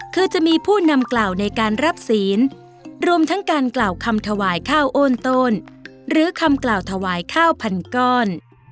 คือจะมีผู้นำกล่าวในการรับศีลรวมทั้งการกล่าวคำถวายข้าวโอนโตนหรือคำกล่าวถวายข้าวพันก้อน